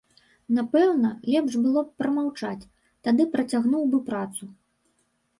Напэўна, лепш было б прамаўчаць, тады працягнуў бы працу.